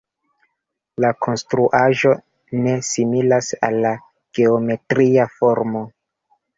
La konstruaĵo ne similas al geometria formo.